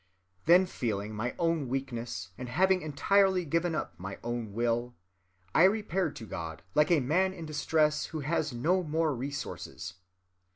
] Then, feeling my own weakness, and having entirely given up my own will, I repaired to God like a man in distress who has no more resources.